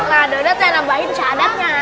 nah dodot saya nambahin syahadatnya